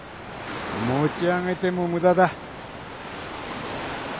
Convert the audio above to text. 持ち上げても無駄だ。